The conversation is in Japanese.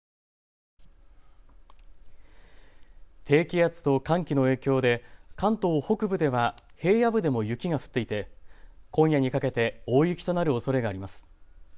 低気圧と寒気の影響で関東北部では平野部でも雪が降っていて今夜にかけて大雪となるおそれがあります。